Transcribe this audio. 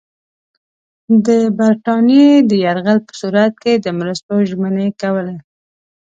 د برټانیې د یرغل په صورت کې د مرستو ژمنې کولې.